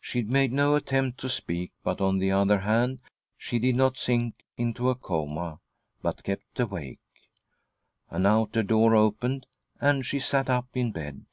She made no attempt to speak, but, oh the : other hand, she did not sink into a coma, but kept awake. An outer door opened, and she sat up in bed.